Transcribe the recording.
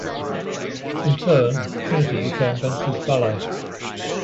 In turn, Trinity became Bentley's valet.